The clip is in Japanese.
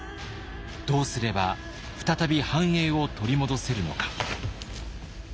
どうすれば再び繁栄を取り戻せるのか。